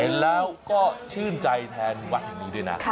เห็นแล้วก็ชื่นใจแทนวัดแห่งนี้ด้วยนะ